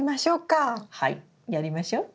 はいやりましょ。